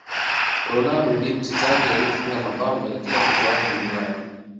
ronaldo ndiye mchezaji aliyefunga mabao kwenye kila michuano duniani